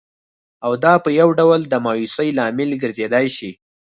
او دا په یوه ډول د مایوسۍ لامل ګرځېدای شي